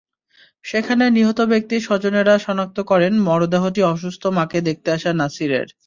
সেখানে নিহত ব্যক্তির স্বজনেরা শনাক্ত করেন মরদেহটি অসুস্থ মাকে দেখতে আসা নাছিরের।